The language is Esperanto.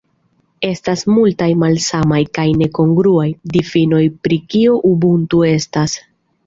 Estas multaj malsamaj, kaj ne kongruaj, difinoj pri kio "ubuntu" estas.